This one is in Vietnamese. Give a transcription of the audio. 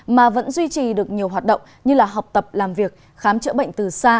mà vẫn duy trì được nhiều hoạt động như là học tập làm việc khám chữa bệnh từ xa